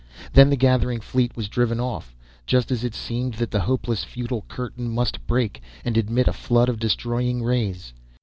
Then the gathering fleet was driven off, just as it seemed that that hopeless, futile curtain must break, and admit a flood of destroying rays.